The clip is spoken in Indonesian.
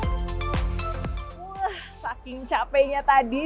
wah saking capeknya tadi